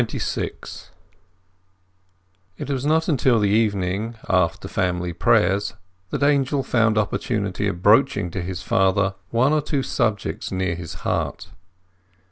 XXVI It was not till the evening, after family prayers, that Angel found opportunity of broaching to his father one or two subjects near his heart.